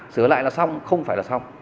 sửa lại là xong không phải là xong